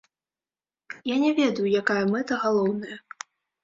Я не ведаю, якая мэта галоўная.